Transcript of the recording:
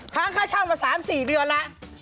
ค้างค่าเช่ามา๓๔เดือนแล้ว